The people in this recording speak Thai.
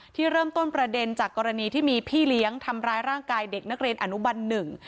ที่เริ่มต้นประเด็นจากกรณีที่มีพี่เลี้ยงทำร้ายร่างกายเด็กนักเรียนอนุบันหนึ่ง